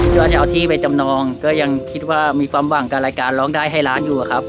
ยอดจะเอาที่ไปจำนองก็ยังคิดว่ามีความหวังกับรายการร้องได้ให้ล้านอยู่ครับ